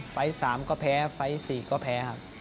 ๓ไฟต์๓ก็แพ้ไฟต์๔ก็แพ้ครับ